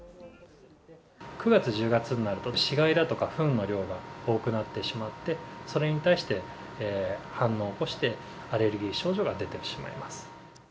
９月、１０月になると、死骸だとかふんの量が多くなってしまって、それに対して反応を起こして、アレルギー症状が出てしまいます。